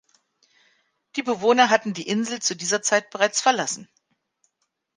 Die Bewohner hatten die Insel zu dieser Zeit bereits verlassen.